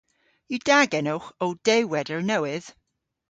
Yw da genowgh ow dewweder nowydh?